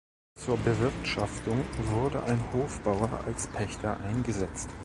Zur Bewirtschaftung wurde ein Hofbauer als Pächter eingesetzt.